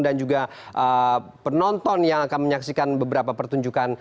dan juga penonton yang akan menyaksikan beberapa pertunjukan